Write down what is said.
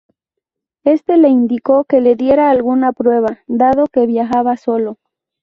Éste le indicó que le diera alguna prueba dado que viajaba solo.